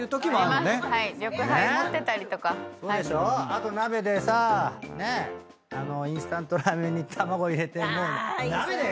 あと鍋でさインスタントラーメンに卵入れて鍋で食いたいよね！